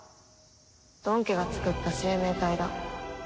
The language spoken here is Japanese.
ドン家が作った生命体だ。